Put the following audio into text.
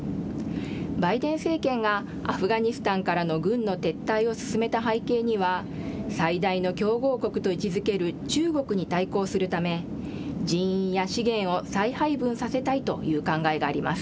バイデン政権がアフガニスタンからの軍の撤退を進めた背景には、最大の競合国と位置づける中国に対抗するため、人員や資源を再配分させたいという考えがあります。